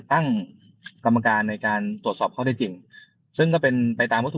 ตั้งกรรมการในการตรวจสอบข้อได้จริงซึ่งก็เป็นไปตามวัตถุ